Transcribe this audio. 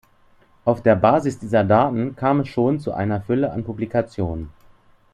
Auf der Basis dieser Daten kam es schon zu einer Fülle an Publikationen.